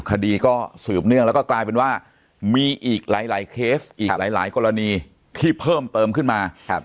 คดีก็สืบเนื่องแล้วก็กลายเป็นว่ามีอีกหลายเคสอีกหลายกรณีที่เพิ่มเติมขึ้นมา